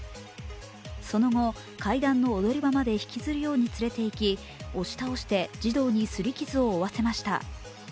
その後、階段の踊り場まで引きずるように連れていき押し倒して、児童に擦り傷を負わせました。